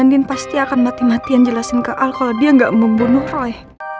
ipian jelasin ke al kalau dia gak mau membunuh roy